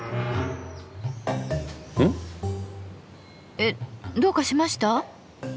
えっどうかしました？